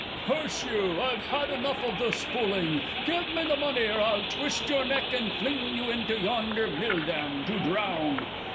"Curse you! I've had enough of this fooling! Give me money, or I'll twist your neck, and fling you into yonder mill dam, to drown!")